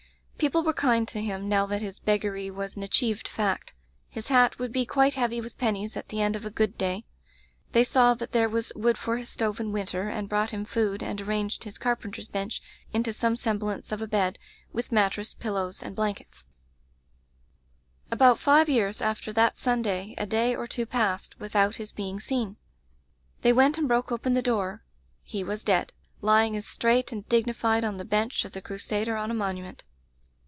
"People were kind to him, now that his beggary was an achieved fact. His hat would be quite heavy with pennies at the end of a good day. They saw that there was wood for his stove in winter, and brought him food and arranged his carpenter's bench into some semblance of a bed, with mattress, pillows, and blankets. [ 109 ] Digitized by LjOOQ IC Interventions "About five years after that Sunday a day or two passed without his being seen. "They went and broke open the door. He was dead — lying as straight and dignified on the bench as a crusader on a monument.